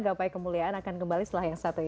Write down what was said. gapai kemuliaan akan kembali setelah yang satu ini